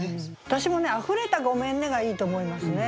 私もね「溢れた『ごめんね』」がいいと思いますね。